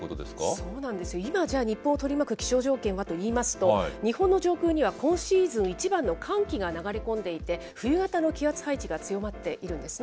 そうなんですよ、今、じゃあ日本を取り巻く気象条件はといいますと、日本の上空には今シーズン一番の寒気が流れ込んでいて、冬型の気圧配置が強まっているんですね。